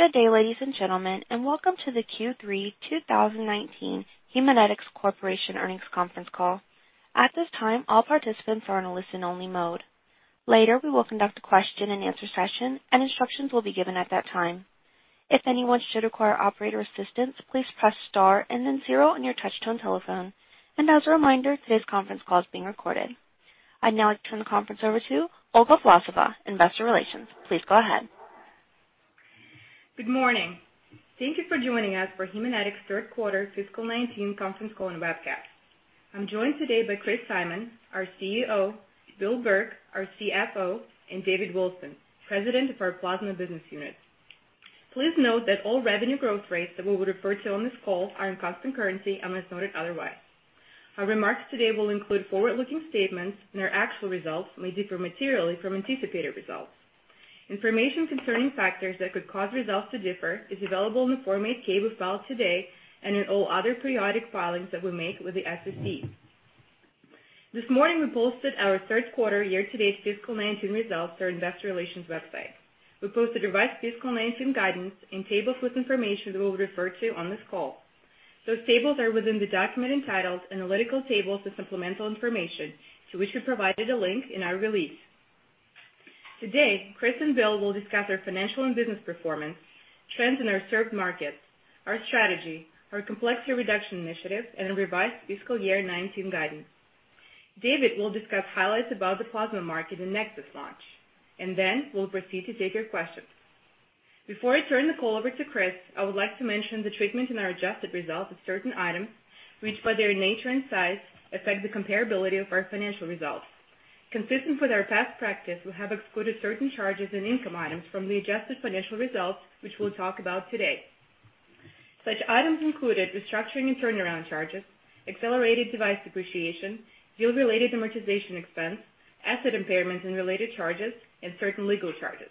Good day, ladies and gentlemen. Welcome to the Q3 2019 Haemonetics Corporation earnings conference call. At this time, all participants are in a listen-only mode. Later, we will conduct a question and answer session, and instructions will be given at that time. If anyone should require operator assistance, please press star and then zero on your touch-tone telephone. As a reminder, today's conference call is being recorded. I'd now like to turn the conference over to Olga Vlasova, investor relations. Please go ahead. Good morning. Thank you for joining us for Haemonetics' third quarter fiscal 2019 conference call and webcast. I'm joined today by Chris Simon, our CEO, Bill Burke, our CFO, and David Wilson, President of our Plasma business unit. Please note that all revenue growth rates that we will refer to on this call are in constant currency unless noted otherwise. Our remarks today will include forward-looking statements. Our actual results may differ materially from anticipated results. Information concerning factors that could cause results to differ is available in the Form 8-K we filed today and in all other periodic filings that we make with the SEC. This morning, we posted our third quarter year-to-date fiscal 2019 results to our investor relations website. We posted revised fiscal 2019 guidance and tables with information that we'll refer to on this call. Those tables are within the document entitled Analytical Tables of Supplemental Information, to which we provided a link in our release. Today, Chris and Bill will discuss our financial and business performance, trends in our served markets, our strategy, our complexity reduction initiative, and revised fiscal year 2019 guidance. David will discuss highlights about the plasma market and NexSys launch. Then we'll proceed to take your questions. Before I turn the call over to Chris, I would like to mention the treatment in our adjusted results of certain items, which, by their nature and size, affect the comparability of our financial results. Consistent with our past practice, we have excluded certain charges and income items from the adjusted financial results, which we'll talk about today. Such items included restructuring and turnaround charges, accelerated device depreciation, deal-related amortization expense, asset impairments and related charges, and certain legal charges.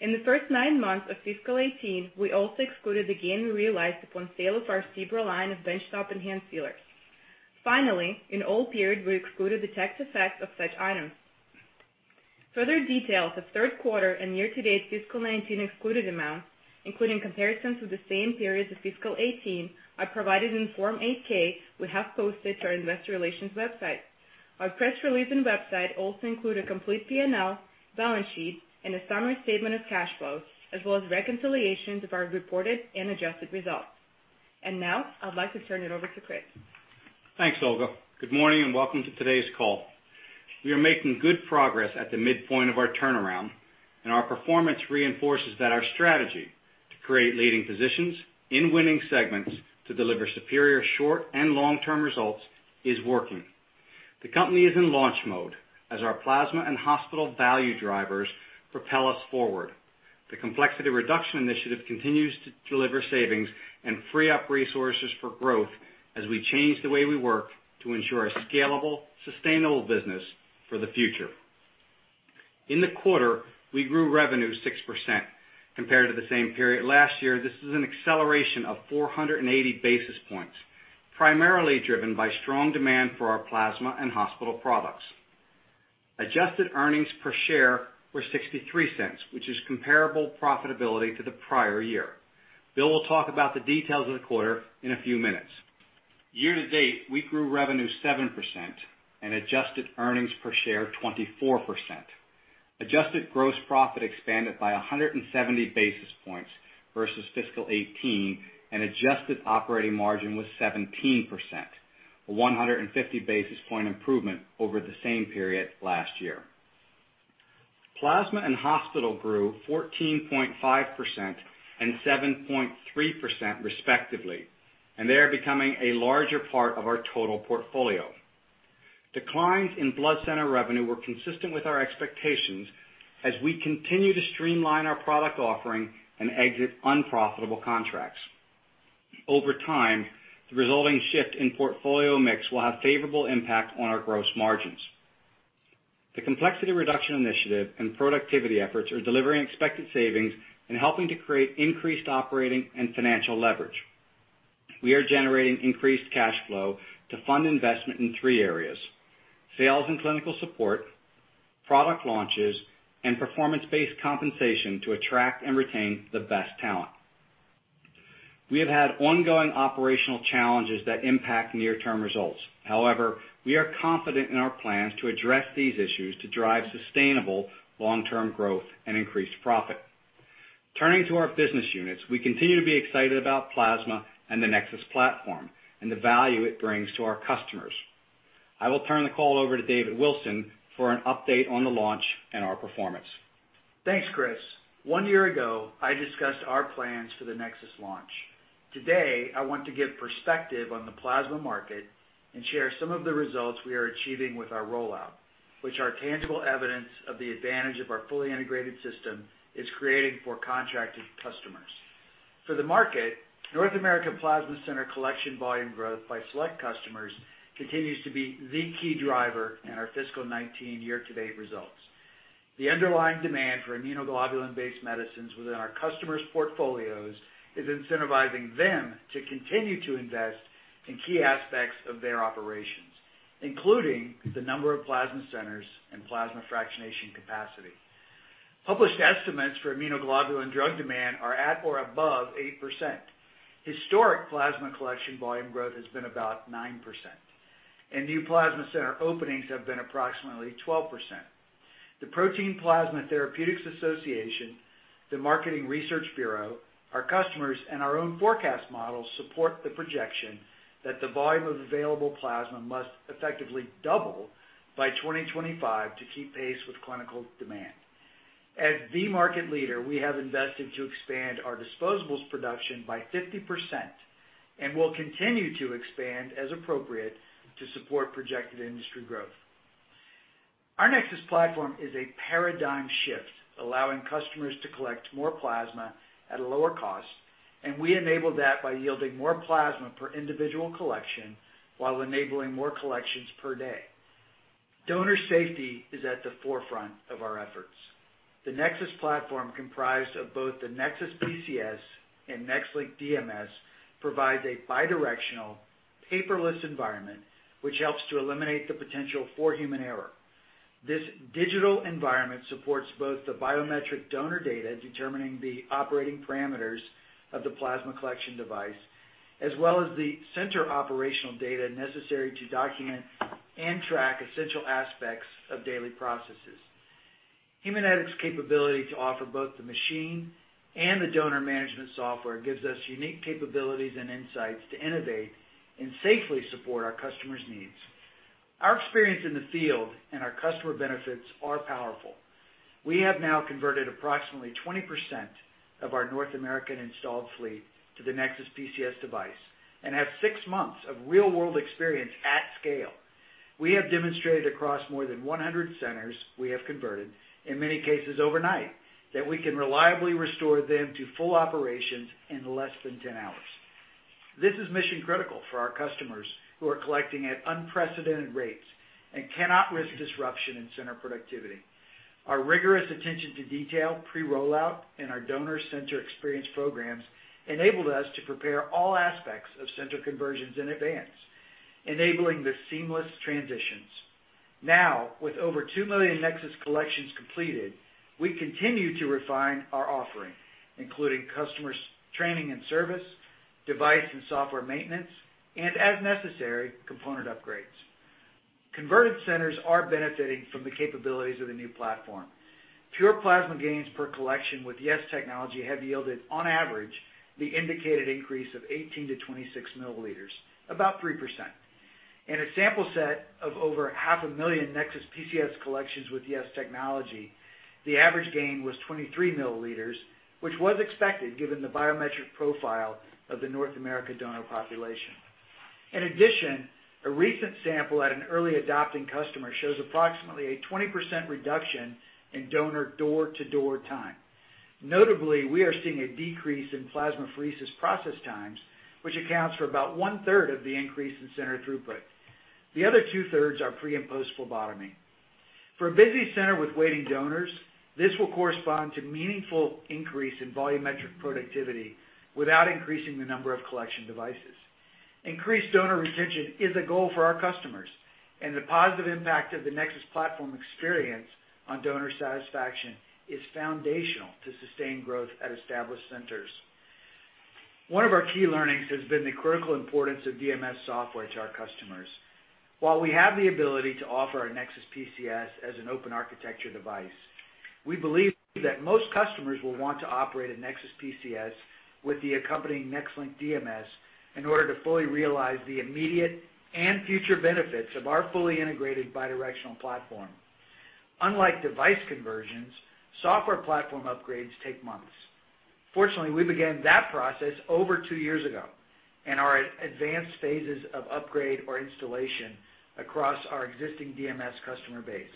In the first nine months of fiscal 2018, we also excluded the gain we realized upon sale of our SEBRA line of benchtop and hand sealers. Finally, in all periods, we excluded the tax effects of such items. Further details of third quarter and year-to-date fiscal 2019 excluded amounts, including comparisons with the same periods of fiscal 2018, are provided in Form 8-K we have posted to our investor relations website. Our press release and website also include a complete P&L, balance sheet, and a summary statement of cash flow, as well as reconciliations of our reported and adjusted results. Now, I'd like to turn it over to Chris. Thanks, Olga. Good morning and welcome to today's call. We are making good progress at the midpoint of our turnaround, our performance reinforces that our strategy to create leading positions in winning segments to deliver superior short and long-term results is working. The company is in launch mode as our Plasma and Hospital value drivers propel us forward. The Complexity Reduction Initiative continues to deliver savings and free up resources for growth as we change the way we work to ensure a scalable, sustainable business for the future. In the quarter, we grew revenue 6% compared to the same period last year. This is an acceleration of 480 basis points, primarily driven by strong demand for our Plasma and Hospital products. Adjusted earnings per share were $0.63, which is comparable profitability to the prior year. Bill will talk about the details of the quarter in a few minutes. Year to date, we grew revenue 7% and adjusted earnings per share 24%. Adjusted gross profit expanded by 170 basis points versus fiscal 2018, adjusted operating margin was 17%, a 150 basis point improvement over the same period last year. Plasma and Hospital grew 14.5% and 7.3% respectively, they are becoming a larger part of our total portfolio. Declines in Blood Center revenue were consistent with our expectations as we continue to streamline our product offering and exit unprofitable contracts. Over time, the resulting shift in portfolio mix will have favorable impact on our gross margins. The Complexity Reduction Initiative and productivity efforts are delivering expected savings and helping to create increased operating and financial leverage. We are generating increased cash flow to fund investment in three areas: sales and clinical support, product launches, and performance-based compensation to attract and retain the best talent. We have had ongoing operational challenges that impact near-term results. We are confident in our plans to address these issues to drive sustainable long-term growth and increased profit. Turning to our business units, we continue to be excited about Plasma and the NexSys platform and the value it brings to our customers. I will turn the call over to David Wilson for an update on the launch and our performance. Thanks, Chris. One year ago, I discussed our plans for the NexSys launch. I want to give perspective on the plasma market and share some of the results we are achieving with our rollout, which are tangible evidence of the advantage of our fully integrated system is creating for contracted customers. North American plasma center collection volume growth by select customers continues to be the key driver in our fiscal 2019 year-to-date results. The underlying demand for immunoglobulin-based medicines within our customers' portfolios is incentivizing them to continue to invest in key aspects of their operations Including the number of plasma centers and plasma fractionation capacity. Published estimates for immunoglobulin drug demand are at or above 8%. Historic plasma collection volume growth has been about 9%, and new plasma center openings have been approximately 12%. The Plasma Protein Therapeutics Association, the Marketing Research Bureau, our customers, and our own forecast models support the projection that the volume of available plasma must effectively double by 2025 to keep pace with clinical demand. As the market leader, we have invested to expand our disposables production by 50%, and will continue to expand as appropriate to support projected industry growth. Our NexSys platform is a paradigm shift, allowing customers to collect more plasma at a lower cost, and we enable that by yielding more plasma per individual collection while enabling more collections per day. Donor safety is at the forefront of our efforts. The NexSys platform, comprised of both the NexSys PCS and NexLynk DMS, provides a bidirectional, paperless environment, which helps to eliminate the potential for human error. This digital environment supports both the biometric donor data determining the operating parameters of the plasma collection device, as well as the center operational data necessary to document and track essential aspects of daily processes. Haemonetics' capability to offer both the machine and the donor management software gives us unique capabilities and insights to innovate and safely support our customers' needs. Our experience in the field and our customer benefits are powerful. We have now converted approximately 20% of our North American installed fleet to the NexSys PCS device and have six months of real-world experience at scale. We have demonstrated across more than 100 centers we have converted, in many cases overnight, that we can reliably restore them to full operations in less than 10 hours. This is mission-critical for our customers, who are collecting at unprecedented rates and cannot risk disruption in center productivity. Our rigorous attention to detail pre-rollout and our donor center experience programs enabled us to prepare all aspects of center conversions in advance, enabling the seamless transitions. Now, with over 2 million NexSys collections completed, we continue to refine our offering, including customers training and service, device and software maintenance, and as necessary, component upgrades. Converted centers are benefiting from the capabilities of the new platform. Pure plasma gains per collection with YES technology have yielded, on average, the indicated increase of 18-26 milliliters, about 3%. In a sample set of over half a million NexSys PCS collections with YES technology, the average gain was 23 milliliters, which was expected given the biometric profile of the North America donor population. In addition, a recent sample at an early adopting customer shows approximately a 20% reduction in donor door-to-door time. Notably, we are seeing a decrease in plasmapheresis process times, which accounts for about one-third of the increase in center throughput. The other two-thirds are pre and post phlebotomy. For a busy center with waiting donors, this will correspond to meaningful increase in volumetric productivity without increasing the number of collection devices. Increased donor retention is a goal for our customers, and the positive impact of the NexSys platform experience on donor satisfaction is foundational to sustained growth at established centers. One of our key learnings has been the critical importance of DMS software to our customers. While we have the ability to offer our NexSys PCS as an open architecture device, we believe that most customers will want to operate a NexSys PCS with the accompanying NexLynk DMS in order to fully realize the immediate and future benefits of our fully integrated bidirectional platform. Unlike device conversions, software platform upgrades take months. Fortunately, we began that process over two years ago and are at advanced phases of upgrade or installation across our existing DMS customer base.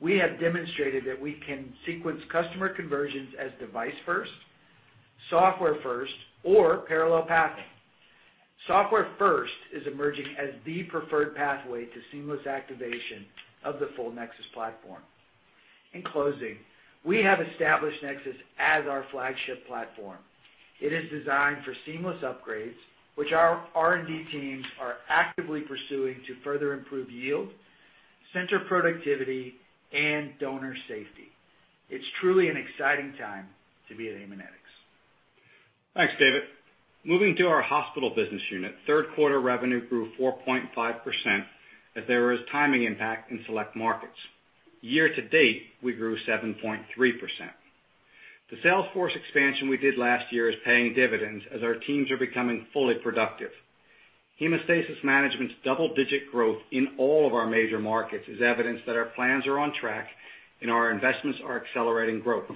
We have demonstrated that we can sequence customer conversions as device first, software first, or parallel pathing. Software first is emerging as the preferred pathway to seamless activation of the full NexSys platform. In closing, we have established NexSys as our flagship platform. It is designed for seamless upgrades, which our R&D teams are actively pursuing to further improve yield, center productivity, and donor safety. It's truly an exciting time to be at Haemonetics. Thanks, David. Moving to our hospital business unit, third quarter revenue grew 4.5% as there was timing impact in select markets. Year to date, we grew 7.3%. The sales force expansion we did last year is paying dividends as our teams are becoming fully productive. Hemostasis Management's double-digit growth in all of our major markets is evidence that our plans are on track and our investments are accelerating growth.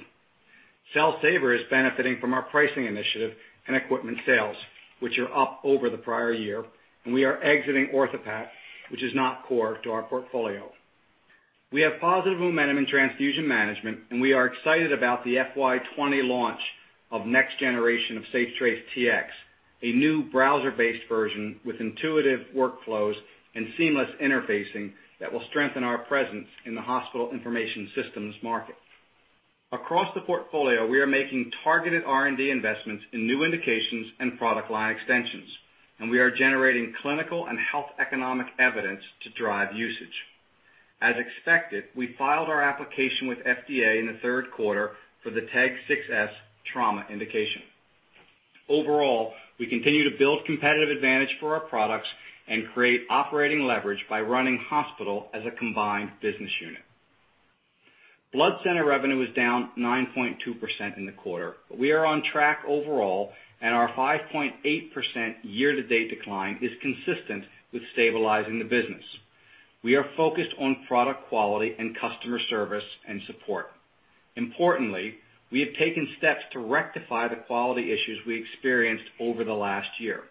Cell Saver is benefiting from our pricing initiative and equipment sales, which are up over the prior year, and we are exiting OrthoPAT, which is not core to our portfolio. We have positive momentum in transfusion management, and we are excited about the FY 2020 launch of next generation of SafeTrace Tx, a new browser-based version with intuitive workflows and seamless interfacing that will strengthen our presence in the hospital information systems market. Across the portfolio, we are making targeted R&D investments in new indications and product line extensions, and we are generating clinical and health economic evidence to drive usage. As expected, we filed our application with FDA in the third quarter for the TEG 6s trauma indication. Overall, we continue to build competitive advantage for our products and create operating leverage by running hospital as a combined business unit. Blood center revenue was down 9.2% in the quarter. We are on track overall, and our 5.8% year-to-date decline is consistent with stabilizing the business. We are focused on product quality and customer service and support. Importantly, we have taken steps to rectify the quality issues we experienced over the last year.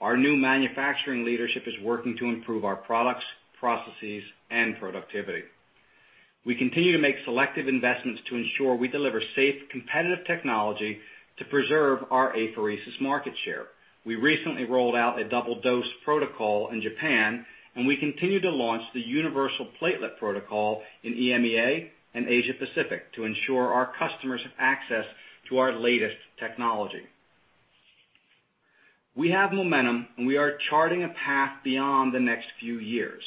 Our new manufacturing leadership is working to improve our products, processes, and productivity. We continue to make selective investments to ensure we deliver safe, competitive technology to preserve our apheresis market share. We recently rolled out a double-dose protocol in Japan. We continue to launch the universal platelet protocol in EMEA and Asia Pacific to ensure our customers have access to our latest technology. We have momentum. We are charting a path beyond the next few years.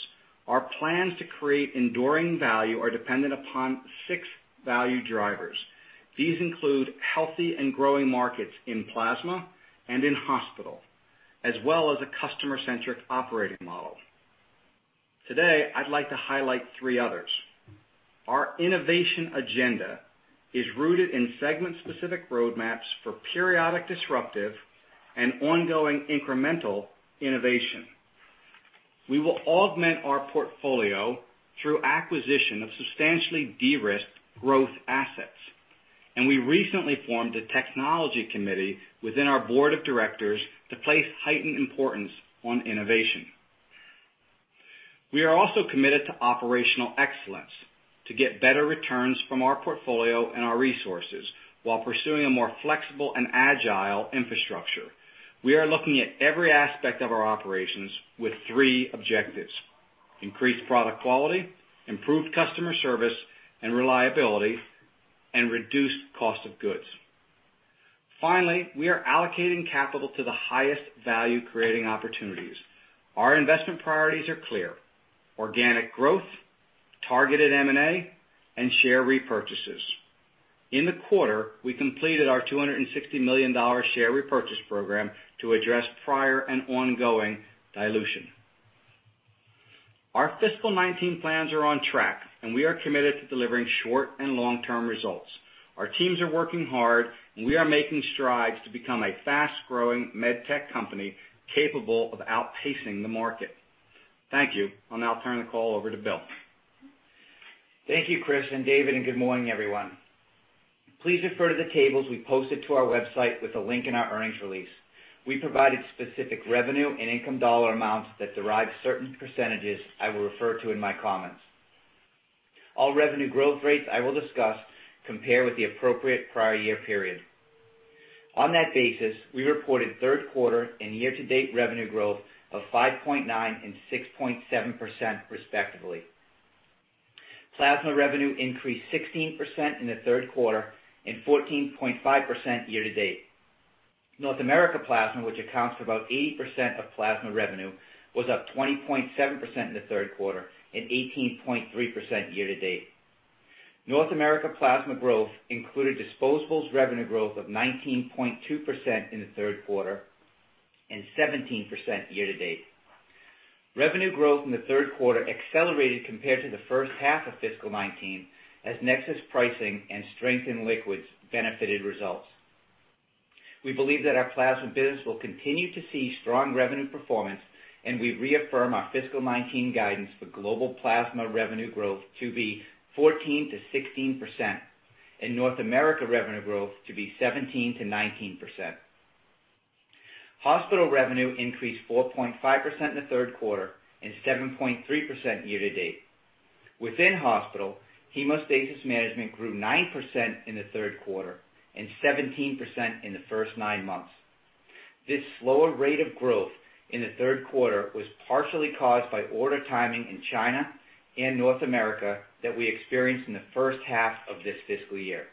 Our plans to create enduring value are dependent upon 6 value drivers. These include healthy and growing markets in plasma and in hospital, as well as a customer-centric operating model. Today, I'd like to highlight 3 others. Our innovation agenda is rooted in segment-specific roadmaps for periodic, disruptive, and ongoing incremental innovation. We will augment our portfolio through acquisition of substantially de-risked growth assets. We recently formed a technology committee within our board of directors to place heightened importance on innovation. We are also committed to operational excellence to get better returns from our portfolio and our resources while pursuing a more flexible and agile infrastructure. We are looking at every aspect of our operations with 3 objectives, increased product quality, improved customer service and reliability, and reduced cost of goods. Finally, we are allocating capital to the highest value-creating opportunities. Our investment priorities are clear, organic growth, targeted M&A, and share repurchases. In the quarter, we completed our $260 million share repurchase program to address prior and ongoing dilution. Our fiscal 2019 plans are on track. We are committed to delivering short and long-term results. Our teams are working hard. We are making strides to become a fast-growing med tech company capable of outpacing the market. Thank you. I will now turn the call over to Bill. Thank you, Chris and David. Good morning, everyone. Please refer to the tables we posted to our website with a link in our earnings release. We provided specific revenue and income dollar amounts that derive certain percentages I will refer to in my comments. All revenue growth rates I will discuss compare with the appropriate prior year period. On that basis, we reported third quarter and year-to-date revenue growth of 5.9% and 6.7% respectively. Plasma revenue increased 16% in the third quarter and 14.5% year-to-date. North America Plasma, which accounts for about 80% of plasma revenue, was up 20.7% in the third quarter and 18.3% year-to-date. North America Plasma growth included disposables revenue growth of 19.2% in the third quarter and 17% year-to-date. Revenue growth in the third quarter accelerated compared to the first half of fiscal 2019 as NexSys pricing and strength in liquids benefited results. We believe that our plasma business will continue to see strong revenue performance, and we reaffirm our fiscal 2019 guidance for global plasma revenue growth to be 14%-16% and North America revenue growth to be 17%-19%. Hospital revenue increased 4.5% in the third quarter and 7.3% year-to-date. Within hospital, Hemostasis Management grew 9% in the third quarter and 17% in the first nine months. This slower rate of growth in the third quarter was partially caused by order timing in China and North America that we experienced in the first half of this fiscal year.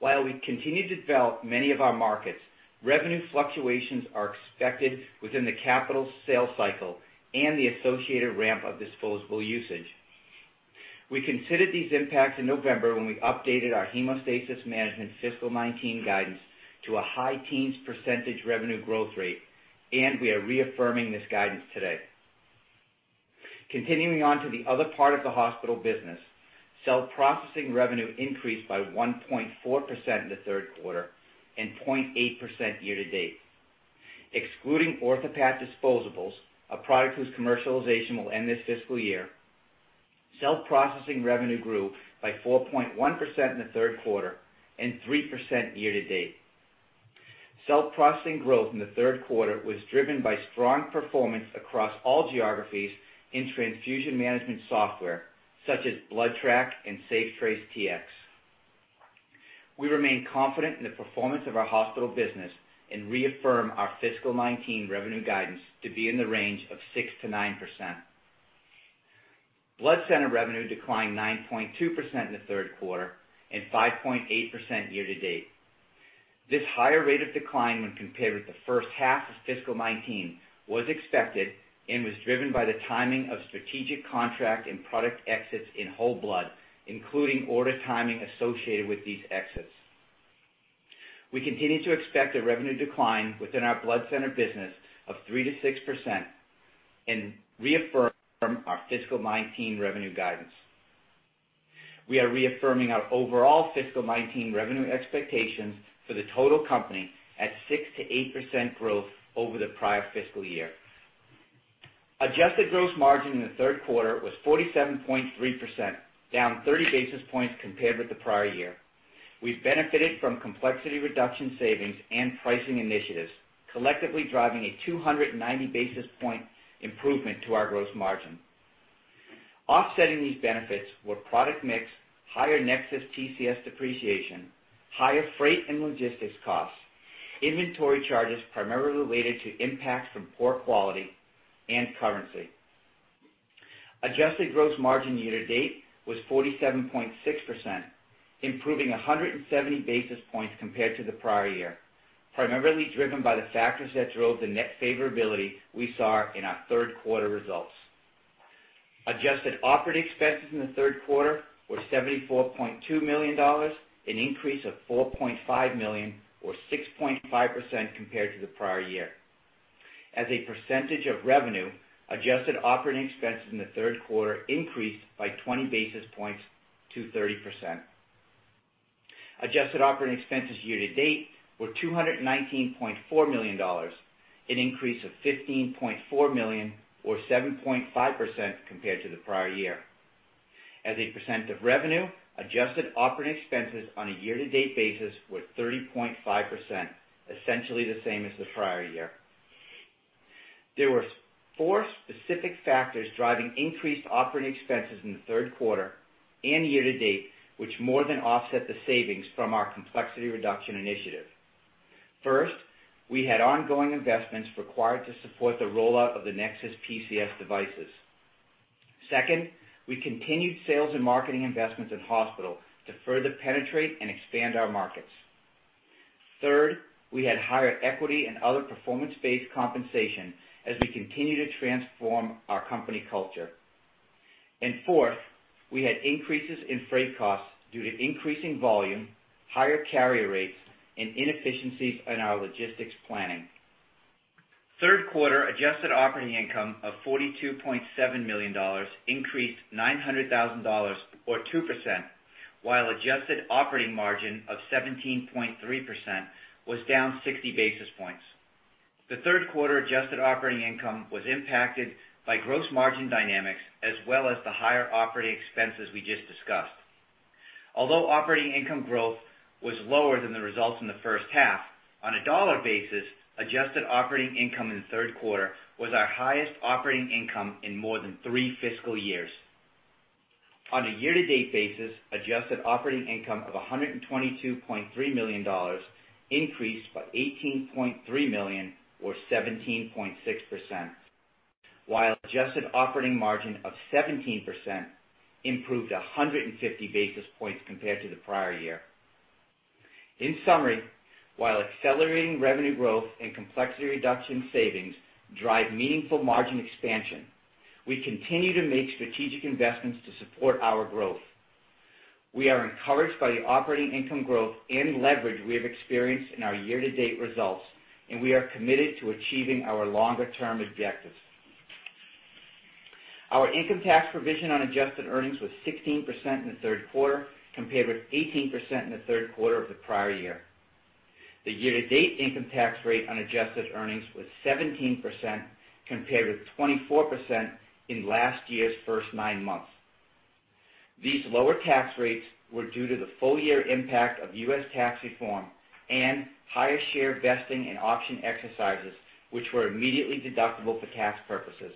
While we continue to develop many of our markets, revenue fluctuations are expected within the capital sales cycle and the associated ramp of disposable usage. We considered these impacts in November when we updated our Hemostasis Management fiscal 2019 guidance to a high teens percentage revenue growth rate, and we are reaffirming this guidance today. Continuing on to the other part of the hospital business, cell processing revenue increased by 1.4% in the third quarter and 0.8% year-to-date. Excluding OrthoPAT disposables, a product whose commercialization will end this fiscal year, cell processing revenue grew by 4.1% in the third quarter and 3% year-to-date. Cell processing growth in the third quarter was driven by strong performance across all geographies in transfusion management software, such as BloodTrack and SafeTrace Tx. We remain confident in the performance of our hospital business and reaffirm our fiscal 2019 revenue guidance to be in the range of 6%-9%. Blood center revenue declined 9.2% in the third quarter and 5.8% year-to-date. This higher rate of decline when compared with the first half of fiscal 2019 was expected and was driven by the timing of strategic contract and product exits in whole blood, including order timing associated with these exits. We continue to expect a revenue decline within our blood center business of 3%-6% and reaffirm our fiscal 2019 revenue guidance. We are reaffirming our overall fiscal 2019 revenue expectations for the total company at 6%-8% growth over the prior fiscal year. Adjusted gross margin in the third quarter was 47.3%, down 30 basis points compared with the prior year. We benefited from complexity reduction savings and pricing initiatives, collectively driving a 290 basis point improvement to our gross margin. Offsetting these benefits were product mix, higher NexSys PCS depreciation, higher freight and logistics costs, inventory charges primarily related to impacts from poor quality, and currency. Adjusted gross margin year-to-date was 47.6%, improving 170 basis points compared to the prior year, primarily driven by the factors that drove the net favorability we saw in our third quarter results. Adjusted operating expenses in the third quarter were $74.2 million, an increase of $4.5 million or 6.5% compared to the prior year. As a percentage of revenue, adjusted operating expenses in the third quarter increased by 20 basis points to 30%. Adjusted operating expenses year-to-date were $219.4 million, an increase of $15.4 million or 7.5% compared to the prior year. As a percent of revenue, adjusted operating expenses on a year-to-date basis were 30.5%, essentially the same as the prior year. There were four specific factors driving increased operating expenses in the third quarter and year-to-date, which more than offset the savings from our complexity reduction initiative. First, we had ongoing investments required to support the rollout of the NexSys PCS devices. Second, we continued sales and marketing investments in hospital to further penetrate and expand our markets. Third, we had higher equity and other performance-based compensation as we continue to transform our company culture. Fourth, we had increases in freight costs due to increasing volume, higher carrier rates, and inefficiencies in our logistics planning. Third quarter adjusted operating income of $42.7 million increased $900,000 or 2%, while adjusted operating margin of 17.3% was down 60 basis points. The third quarter adjusted operating income was impacted by gross margin dynamics as well as the higher operating expenses we just discussed. Although operating income growth was lower than the results in the first half, on a dollar basis, adjusted operating income in the third quarter was our highest operating income in more than three fiscal years. On a year-to-date basis, adjusted operating income of $122.3 million increased by $18.3 million or 17.6%, while adjusted operating margin of 17% improved 150 basis points compared to the prior year. In summary, while accelerating revenue growth and complexity reduction savings drive meaningful margin expansion, we continue to make strategic investments to support our growth. We are encouraged by the operating income growth and leverage we have experienced in our year-to-date results, and we are committed to achieving our longer-term objectives. Our income tax provision on adjusted earnings was 16% in the third quarter, compared with 18% in the third quarter of the prior year. The year-to-date income tax rate on adjusted earnings was 17%, compared with 24% in last year's first nine months. These lower tax rates were due to the full-year impact of US tax reform and higher share vesting and option exercises, which were immediately deductible for tax purposes.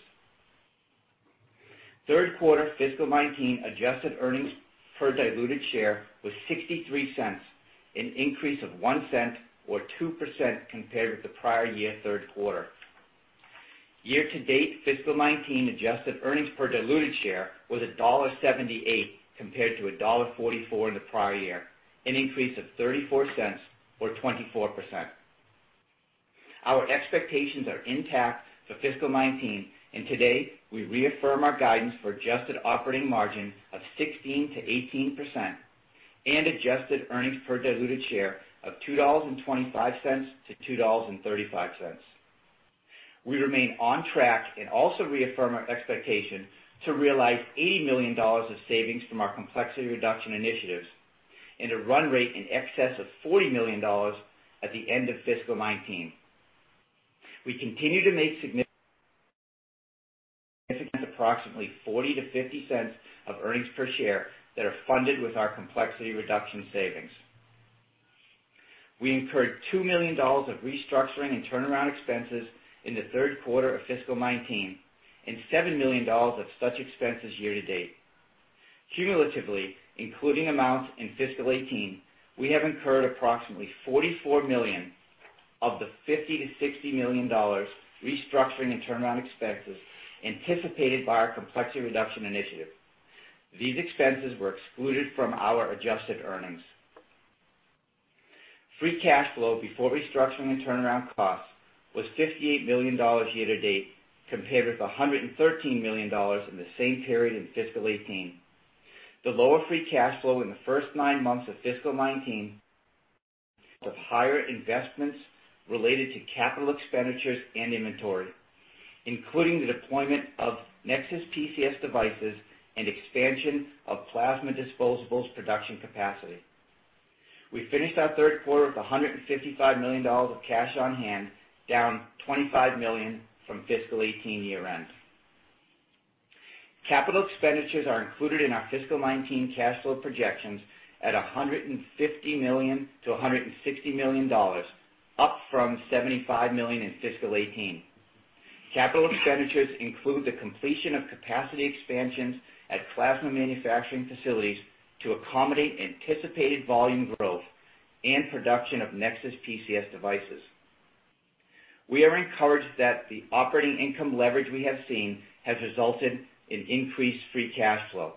Third quarter fiscal 2019 adjusted earnings per diluted share was $0.63, an increase of $0.01 or 2% compared with the prior year third quarter. Year-to-date fiscal 2019 adjusted earnings per diluted share was $1.78, compared to $1.44 in the prior year, an increase of $0.34 or 24%. Our expectations are intact for fiscal 2019, and today, we reaffirm our guidance for adjusted operating margin of 16%-18% and adjusted earnings per diluted share of $2.25-$2.35. We remain on track and also reaffirm our expectation to realize $80 million of savings from our complexity reduction initiatives and a run rate in excess of $40 million at the end of fiscal 2019. We continue to make significant approximately $0.40-$0.50 of earnings per share that are funded with our complexity reduction savings. We incurred $2 million of restructuring and turnaround expenses in the third quarter of fiscal 2019 and $7 million of such expenses year to date. Cumulatively, including amounts in fiscal 2018, we have incurred approximately $44 million of the $50 million-$60 million restructuring and turnaround expenses anticipated by our complexity reduction initiative. These expenses were excluded from our adjusted earnings. Free cash flow before restructuring and turnaround costs was $58 million year to date, compared with $113 million in the same period in fiscal 2018. The lower free cash flow in the first nine months of fiscal 2019 of higher investments related to capital expenditures and inventory, including the deployment of NexSys PCS devices and expansion of plasma disposables production capacity. We finished our third quarter with $155 million of cash on hand, down $25 million from fiscal 2018 year end. Capital expenditures are included in our fiscal 2019 cash flow projections at $150 million-$160 million, up from $75 million in fiscal 2018. Capital expenditures include the completion of capacity expansions at plasma manufacturing facilities to accommodate anticipated volume growth and production of NexSys PCS devices. We are encouraged that the operating income leverage we have seen has resulted in increased free cash flow.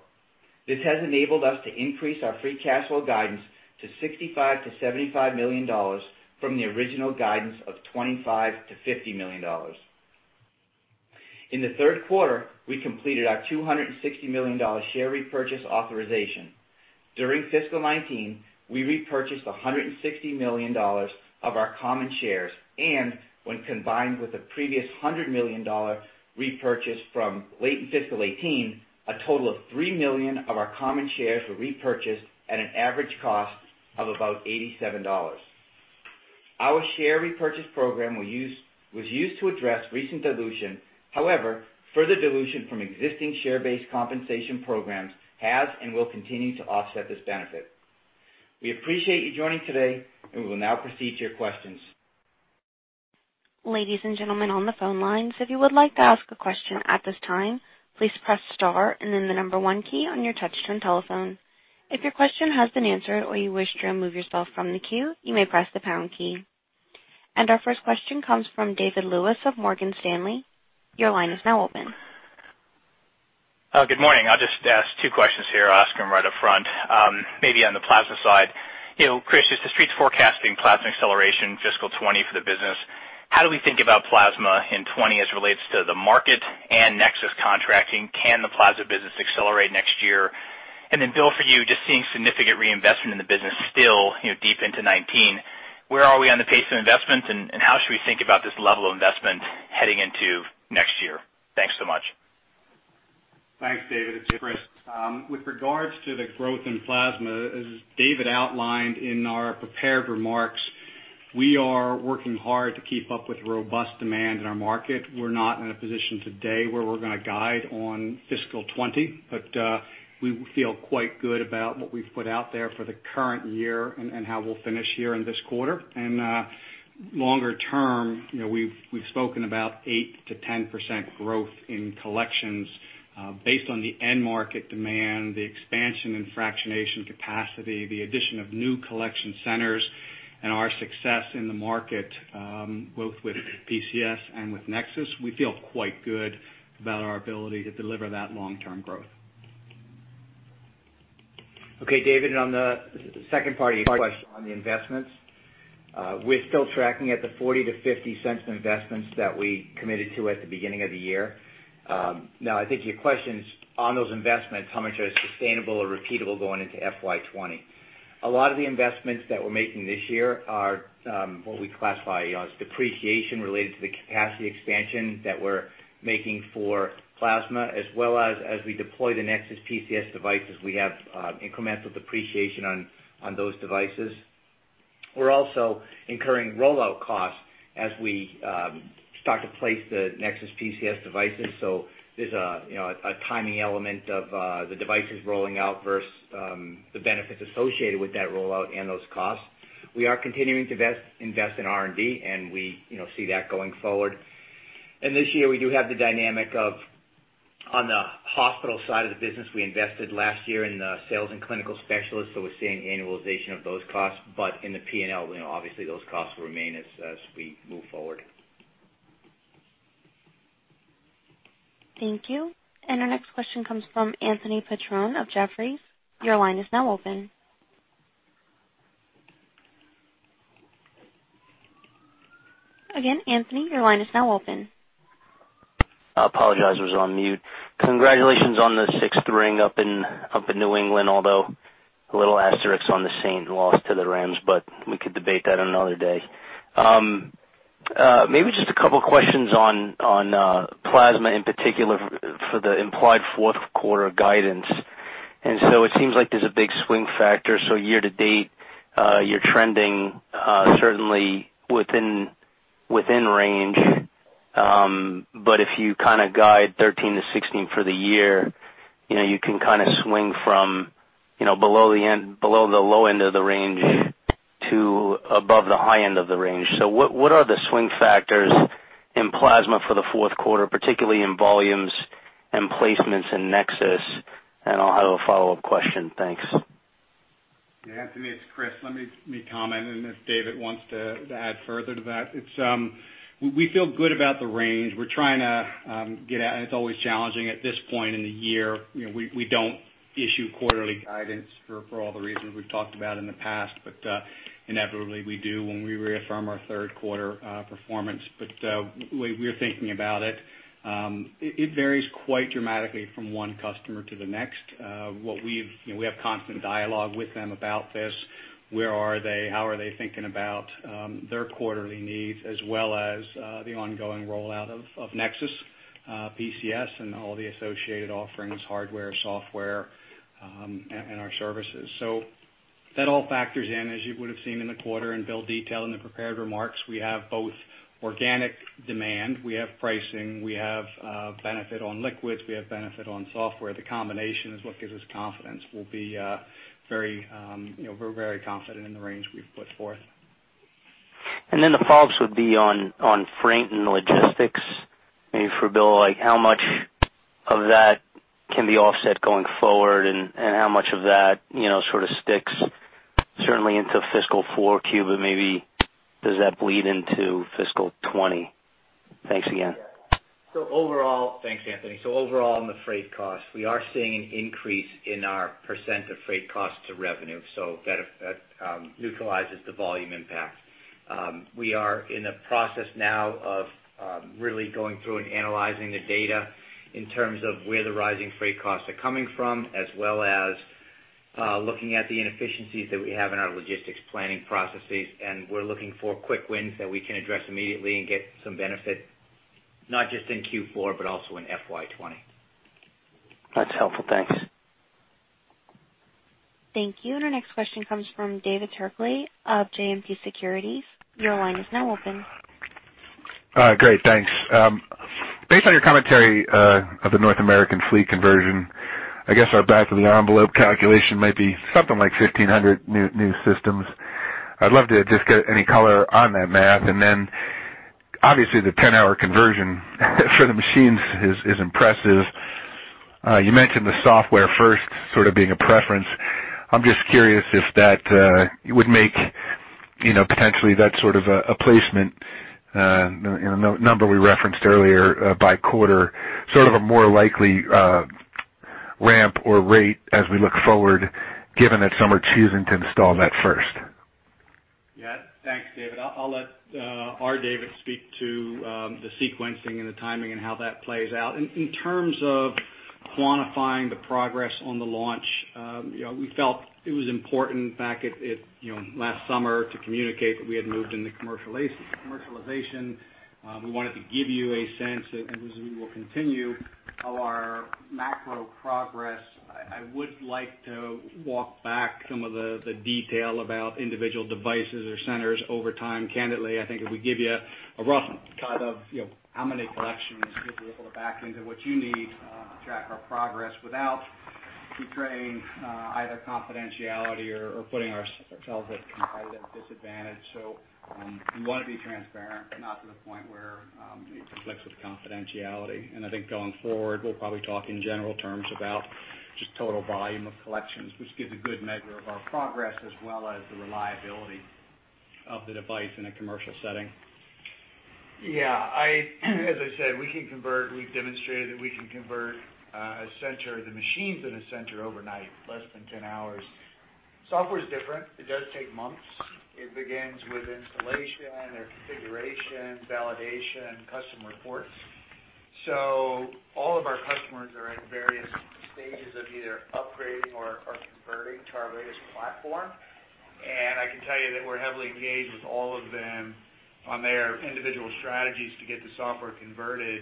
This has enabled us to increase our free cash flow guidance to $65 million-$75 million from the original guidance of $25 million-$50 million. In the third quarter, we completed our $260 million share repurchase authorization. During fiscal 2019, we repurchased $160 million of our common shares, when combined with the previous $100 million repurchase from late in fiscal 2018, a total of 3 million of our common shares were repurchased at an average cost of about $87. Our share repurchase program was used to address recent dilution. However, further dilution from existing share-based compensation programs has and will continue to offset this benefit. We appreciate you joining today. We will now proceed to your questions. Ladies and gentlemen on the phone lines, if you would like to ask a question at this time, please press star and then the number 1 key on your touch-tone telephone. If your question has been answered or you wish to remove yourself from the queue, you may press the pound key. Our first question comes from David Lewis of Morgan Stanley. Your line is now open. Good morning. I'll just ask two questions here. I'll ask them right up front. Maybe on the plasma side. Chris, as the Street's forecasting plasma acceleration fiscal 2020 for the business, how do we think about plasma in 2020 as it relates to the market and NexSys contracting? Can the plasma business accelerate next year? Bill, for you, just seeing significant reinvestment in the business still deep into 2019, where are we on the pace of investment, and how should we think about this level of investment heading into next year? Thanks so much. Thanks, David. It's Chris. With regards to the growth in plasma, as David outlined in our prepared remarks, we are working hard to keep up with robust demand in our market. We're not in a position today where we're going to guide on fiscal 2020, but we feel quite good about what we've put out there for the current year and how we'll finish here in this quarter. Longer term, we've spoken about 8%-10% growth in collections based on the end market demand, the expansion in fractionation capacity, the addition of new collection centers, and our success in the market, both with PCS and with NexSys. We feel quite good about our ability to deliver that long-term growth. Okay, David, on the second part of your question on the investments. We're still tracking at the $0.40-$0.50 investments that we committed to at the beginning of the year. I think your question is on those investments, how much are sustainable or repeatable going into FY 2020. A lot of the investments that we're making this year are what we classify as depreciation related to the capacity expansion that we're making for plasma, as well as we deploy the NexSys PCS devices, we have incremental depreciation on those devices. We're also incurring rollout costs as we start to place the NexSys PCS devices. There's a timing element of the devices rolling out versus the benefits associated with that rollout and those costs. We are continuing to invest in R&D, and we see that going forward. This year, we do have the dynamic of on the hospital side of the business, we invested last year in the sales and clinical specialists, we're seeing annualization of those costs, in the P&L, obviously those costs will remain as we move forward. Thank you. Our next question comes from Anthony Petrone of Jefferies. Your line is now open. Again, Anthony, your line is now open. I apologize, I was on mute. Congratulations on the sixth ring up in New England, although a little asterisk on the Saints loss to the Rams, but we could debate that on another day. Maybe just a couple questions on plasma, in particular for the implied fourth quarter guidance. It seems like there's a big swing factor. Year to date, you're trending certainly within range. But if you guide 13 to 16 for the year, you can swing from below the low end of the range to above the high end of the range. What are the swing factors in plasma for the fourth quarter, particularly in volumes and placements in NexSys? I'll have a follow-up question. Thanks. Yeah, Anthony, it's Chris. Let me comment, and if David wants to add further to that. We feel good about the range. It's always challenging at this point in the year. We don't issue quarterly guidance for all the reasons we've talked about in the past, but inevitably we do when we reaffirm our third quarter performance. The way we're thinking about it varies quite dramatically from one customer to the next. We have constant dialogue with them about this. Where are they, how are they thinking about their quarterly needs, as well as the ongoing rollout of NexSys, PCS, and all the associated offerings, hardware, software, and our services. That all factors in, as you would've seen in the quarter, and Bill detailed in the prepared remarks, we have both organic demand, we have pricing, we have benefit on liquids, we have benefit on software. The combination is what gives us confidence. We're very confident in the range we've put forth. The follow-up would be on freight and logistics. Maybe for Bill, how much of that can be offset going forward and how much of that sort of sticks certainly into fiscal 4Q, but maybe does that bleed into fiscal 2020? Thanks again. Overall on the freight costs, we are seeing an increase in our % of freight cost to revenue, so that neutralizes the volume impact. We are in the process now of really going through and analyzing the data in terms of where the rising freight costs are coming from, as well as looking at the inefficiencies that we have in our logistics planning processes. We're looking for quick wins that we can address immediately and get some benefit, not just in Q4, but also in FY 2020. That's helpful. Thanks. Thank you. Our next question comes from David Turkaly of JMP Securities. Your line is now open. Great, thanks. Based on your commentary of the North American fleet conversion, I guess our back-of-the-envelope calculation might be something like 1,500 new systems. I'd love to just get any color on that math. Obviously the 10-hour conversion for the machines is impressive. You mentioned the software first sort of being a preference. I'm just curious if that would make potentially that sort of a placement number we referenced earlier by quarter, sort of a more likely ramp or rate as we look forward, given that some are choosing to install that first. Yeah. Thanks, David. I'll let our David speak to the sequencing and the timing and how that plays out. In terms of quantifying the progress on the launch, we felt it was important back last summer to communicate that we had moved into commercialization. We wanted to give you a sense, and as we will continue, of our macro progress. I would like to walk back some of the detail about individual devices or centers over time. Candidly, I think it would give you a rough cut of how many collections give you a little back into what you need to track our progress without betraying either confidentiality or putting ourselves at competitive disadvantage. We want to be transparent, but not to the point where it conflicts with confidentiality. I think going forward, we'll probably talk in general terms about just total volume of collections, which gives a good measure of our progress as well as the reliability of the device in a commercial setting. Yeah. As I said, we can convert, we've demonstrated that we can convert the machines in a center overnight, less than 10 hours. Software's different. It does take months. It begins with installation or configuration, validation, custom reports. All of our customers are at various stages of either upgrading or converting to our latest platform. I can tell you that we're heavily engaged with all of them on their individual strategies to get the software converted.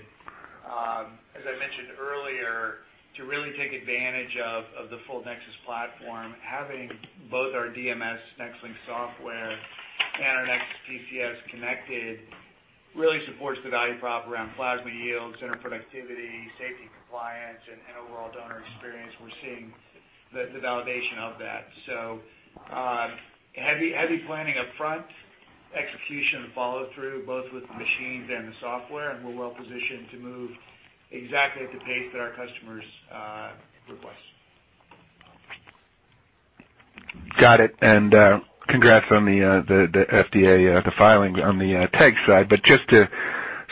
As I mentioned earlier, to really take advantage of the full NexSys platform, having both our DMS NexLynk software and our NexSys PCS connected really supports the value prop around plasma yields, center productivity, safety, compliance, and overall donor experience. We're seeing the validation of that. Heavy planning upfront, execution follow-through both with the machines and the software, and we're well-positioned to move exactly at the pace that our customers request. Got it. Congrats on the FDA, the filings on the TEG side. Just to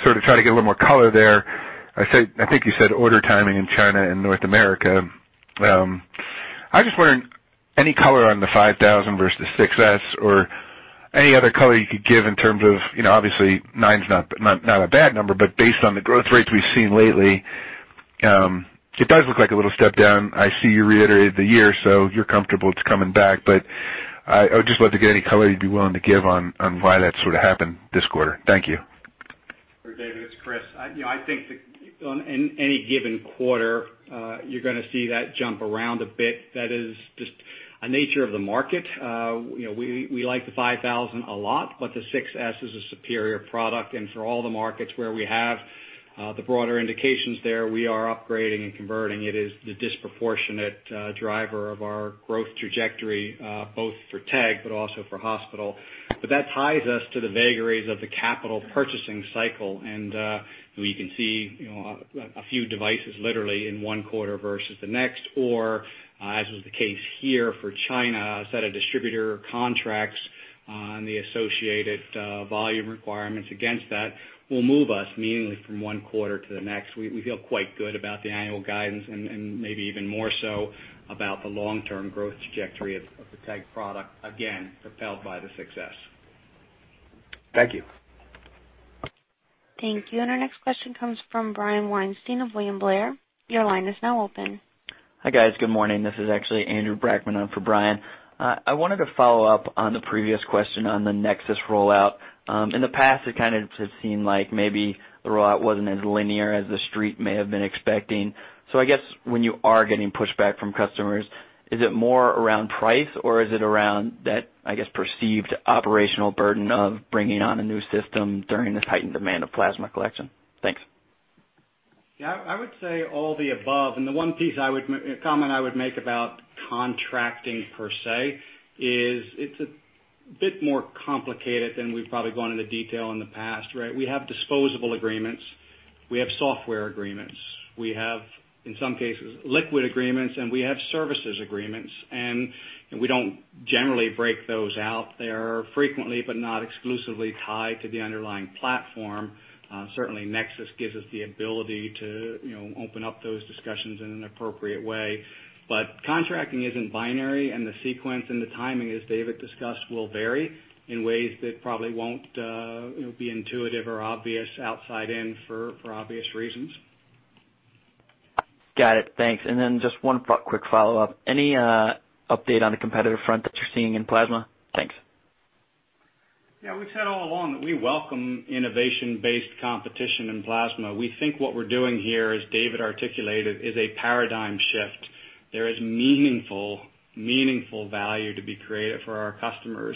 sort of try to get a little more color there, I think you said order timing in China and North America. I just wonder, any color on the 5000 versus 6s or any other color you could give in terms of, obviously nine's not a bad number, but based on the growth rates we've seen lately, it does look like a little step down. I see you reiterated the year, so you're comfortable it's coming back, but I would just love to get any color you'd be willing to give on why that sort of happened this quarter. Thank you. Sure, David, it's Chris. I think that on any given quarter, you're going to see that jump around a bit. That is just a nature of the market. We like the 5000 a lot, but the 6s is a superior product. For all the markets where we have the broader indications there, we are upgrading and converting. It is the disproportionate driver of our growth trajectory, both for TEG, but also for hospital. That ties us to the vagaries of the capital purchasing cycle. We can see a few devices literally in one quarter versus the next, or as was the case here for China, a set of distributor contracts and the associated volume requirements against that will move us meaningfully from one quarter to the next. We feel quite good about the annual guidance and maybe even more so about the long-term growth trajectory of the TEG product, again, propelled by the success. Thank you. Thank you. Our next question comes from Brian Weinstein of William Blair. Your line is now open. Hi, guys. Good morning. This is actually Andrew Brackmann on for Brian. I wanted to follow up on the previous question on the NexSys rollout. In the past, it kind of seemed like maybe the rollout wasn't as linear as the street may have been expecting. I guess when you are getting pushback from customers, is it more around price or is it around that, I guess, perceived operational burden of bringing on a new system during the heightened demand of plasma collection? Thanks. Yeah, I would say all the above. The one comment I would make about contracting per se is it's a bit more complicated than we've probably gone into detail in the past, right? We have disposable agreements, we have software agreements, we have, in some cases, liquid agreements, and we have services agreements, and we don't generally break those out. They are frequently, but not exclusively, tied to the underlying platform. Certainly, NexSys gives us the ability to open up those discussions in an appropriate way. Contracting isn't binary, and the sequence and the timing, as David discussed, will vary in ways that probably won't be intuitive or obvious outside in for obvious reasons. Got it. Thanks. Just one quick follow-up. Any update on the competitive front that you're seeing in plasma? Thanks. Yeah, we've said all along that we welcome innovation-based competition in plasma. We think what we're doing here, as David articulated, is a paradigm shift. There is meaningful value to be created for our customers.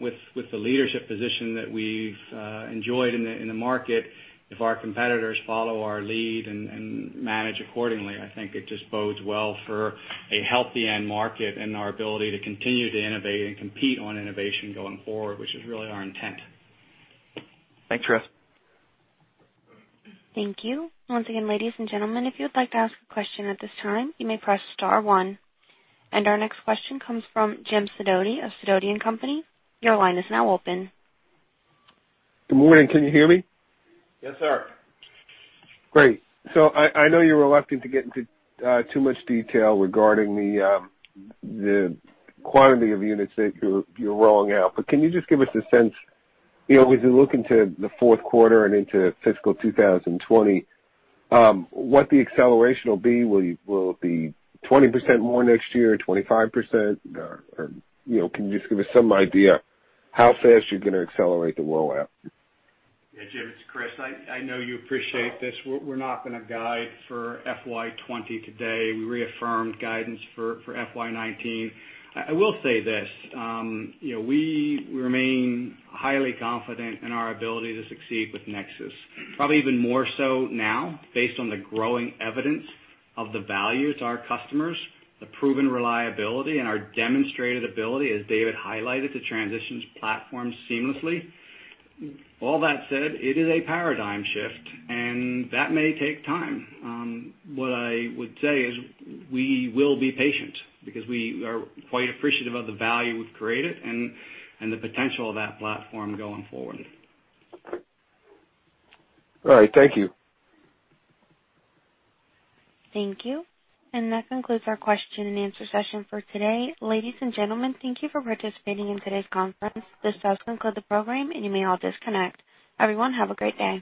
With the leadership position that we've enjoyed in the market, if our competitors follow our lead and manage accordingly, I think it just bodes well for a healthy end market and our ability to continue to innovate and compete on innovation going forward, which is really our intent. Thanks, Chris. Thank you. Once again, ladies and gentlemen, if you would like to ask a question at this time, you may press star one. Our next question comes from Jim Sidoti of Sidoti & Company. Your line is now open. Good morning. Can you hear me? Yes, sir. Great. I know you were reluctant to get into too much detail regarding the quantity of units that you're rolling out, but can you just give us a sense, as we look into the fourth quarter and into fiscal 2020, what the acceleration will be? Will it be 20% more next year or 25%? Can you just give us some idea how fast you're going to accelerate the rollout? Yeah, Jim, it's Chris. I know you appreciate this. We're not going to guide for FY 2020 today. We reaffirmed guidance for FY 2019. I will say this. We remain highly confident in our ability to succeed with NexSys. Probably even more so now based on the growing evidence of the value to our customers, the proven reliability, and our demonstrated ability, as David highlighted, to transition platforms seamlessly. All that said, it is a paradigm shift, and that may take time. What I would say is we will be patient because we are quite appreciative of the value we've created and the potential of that platform going forward. All right. Thank you. Thank you. That concludes our question and answer session for today. Ladies and gentlemen, thank you for participating in today's conference. This does conclude the program, and you may all disconnect. Everyone, have a great day.